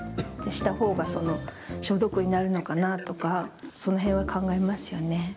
した方が消毒になるのかなとかその辺は考えますよね。